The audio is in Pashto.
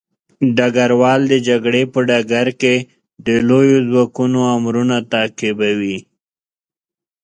ډګروال د جګړې په ډګر کې د لويو ځواکونو امرونه تعقیبوي.